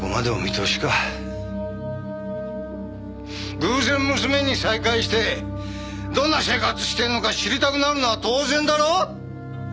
偶然娘に再会してどんな生活してんのか知りたくなるのは当然だろ？